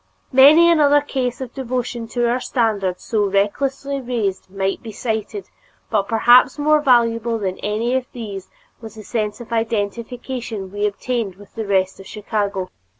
Many another case of devotion to our standard so recklessly raised might be cited, but perhaps more valuable than any of these was the sense of identification we obtained with the rest of Chicago.